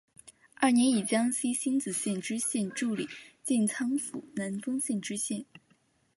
二年以江西星子县知县署理建昌府南丰县知县。